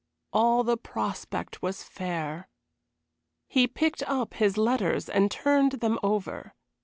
All the prospect was fair. He picked up his letters and turned them over.